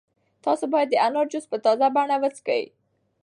تاسو باید د انار جوس په تازه بڼه وڅښئ.